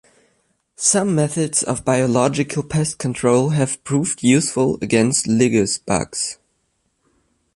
Some methods of biological pest control have proved useful against lygus bugs.